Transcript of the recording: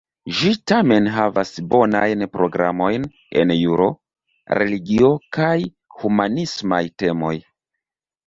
Ĝi tamen havas bonajn programojn en juro, religio, kaj humanismaj temoj.